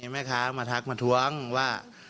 เห็นไหมคะมาทักมาทุ๊งว่า